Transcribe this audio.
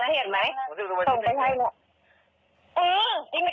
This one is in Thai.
เออยิ้มยิ้มยิ้มยิ้มของเห็นไหน